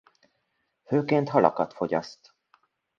Főként halakat fogyaszt.